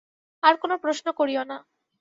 আর কোন প্রশ্ন করিও না।